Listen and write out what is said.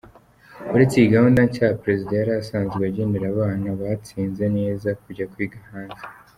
Uretse iyi gahunda nshya, Perezida yari asanzwe agenera abana batsinze neza kujya kwiga hanze.